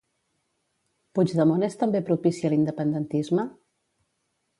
Puigdemont és també propici a l'independentisme?